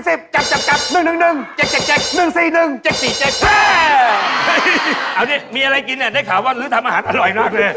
เออนี่มีอะไรกินน่ะได้ข่าวว่านึกษ์ทำอาหารอร่อยมากเลย